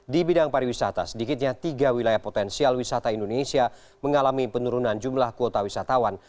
di bidang pariwisata sedikitnya tiga wilayah potensial wisata indonesia mengalami penurunan jumlah kuota wisatawan